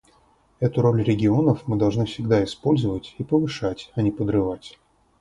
Эту роль регионов мы должны всегда использовать и повышать, а не подрывать.